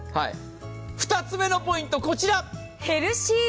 ２つ目のポイントはこちら。